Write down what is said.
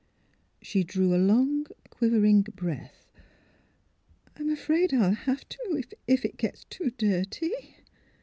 " She drew a long, quivering breath. *' I — I'm afraid I'll — ^have to; if — if — it gets too d d dirty!